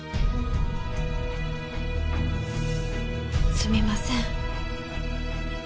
すみません。